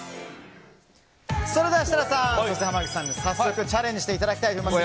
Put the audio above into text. それでは設楽さんそして濱口さんに早速、チャレンジしていただきたいと思います。